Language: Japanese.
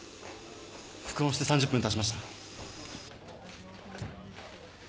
復温して３０分たちました。